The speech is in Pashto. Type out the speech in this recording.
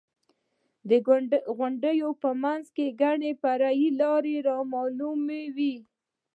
د غونډیو په منځ کې ګڼې فرعي لارې رامعلومې وې.